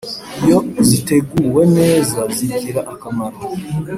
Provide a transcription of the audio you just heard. iyo ziteguwe neza zigira akamaro